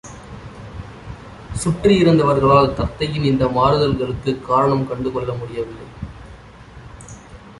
சுற்றியிருந்தவர்களால் தத்தையின் இந்த மாறுதலுக்குக் காரணம் கண்டுகொள்ள முடியவில்லை.